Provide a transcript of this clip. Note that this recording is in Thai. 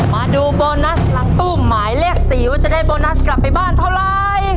มาดูโบนัสหลังตู้หมายเลข๔ว่าจะได้โบนัสกลับไปบ้านเท่าไร